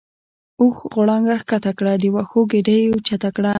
اوښ غړانګه کښته کړه د وښو ګیډۍ یې اوچته کړه.